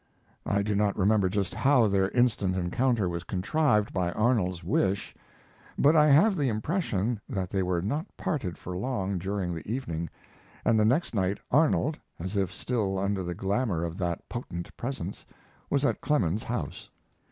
I do not remember just how their instant encounter was contrived by Arnold's wish; but I have the impression that they were not parted for long during the evening, and the next night Arnold, as if still under the glamour of that potent presence, was at Clemens's house.